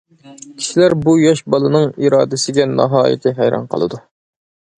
كىشىلەر بۇ ياش بالىنىڭ ئىرادىسىگە ناھايىتى ھەيران قالىدۇ.